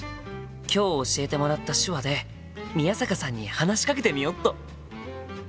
今日教えてもらった手話で宮坂さんに話しかけてみよっと！